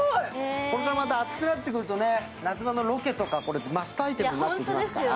暑くなってくると、夏場のロケとかマストアイテムになってきますから。